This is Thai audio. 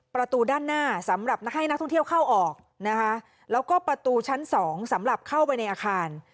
ประตูด้านหน้าสำหรับให้นักท่องเที่ยวเข้าออกนะคะแล้วก็ประตูชั้นสองสำหรับเข้าไปในอาคาร